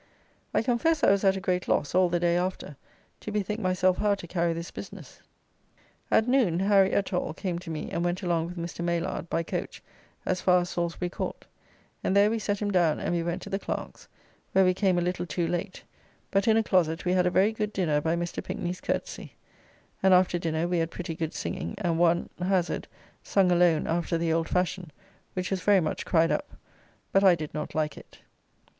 I confess I was at a great loss, all the day after, to bethink myself how to carry this business. At noon, Harry Ethall came to me and went along with Mr. Maylard by coach as far as Salsbury Court, and there we set him down, and we went to the Clerks, where we came a little too late, but in a closet we had a very good dinner by Mr. Pinkny's courtesy, and after dinner we had pretty good singing, and one, Hazard, sung alone after the old fashion, which was very much cried up, but I did not like it.